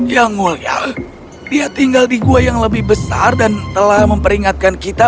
yang mulia dia tinggal di gua yang lebih besar dan telah memperingatkan kita